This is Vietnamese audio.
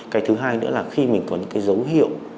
cái thứ hai nữa là khi mình có những cái dấu hiệu